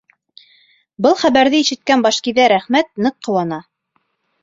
Был хәбәрҙе ишеткән Башкиҫәр Әхмәт ныҡ ҡыуана.